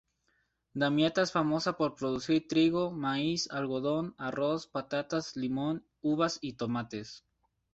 Damieta es famosa por producir trigo, maíz, algodón, arroz, patatas, limón, uvas y tomates.